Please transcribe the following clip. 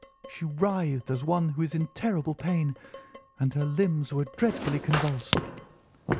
She writhed as one who is in terrible pain, and her limbs were dreadfully convulsed.